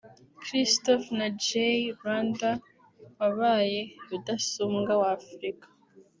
Christopher na Jay Rwanda wabaye Rudasumbwa wa Afurika